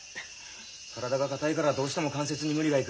体が硬いからどうしても関節に無理がいく。